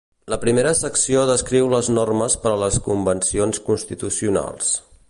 La primera secció descriu les normes per a les convencions constitucionals.